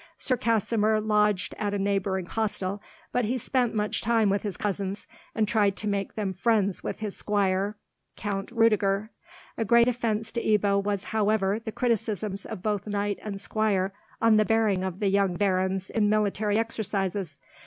Sir Kasimir lodged at a neighbouring hostel; but he spent much time with his cousins, and tried to make them friends with his squire, Count Rudiger. A great offence to Ebbo was however the criticisms of both knight and squire on the bearing of the young Barons in military exercises.